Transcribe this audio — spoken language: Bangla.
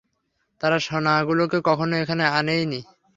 তারা সোনাগুলো কখনো এখানে আনেইনি।